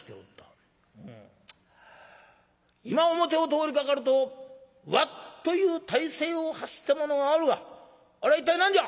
今表を通りかかると『ワッ』という大声を発した者があるがあれ一体何じゃ？」。